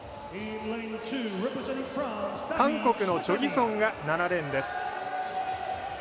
韓国のチョ・ギソンが７レーンです。